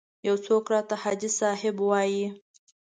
یو څوک راته حاجي صاحب وایي.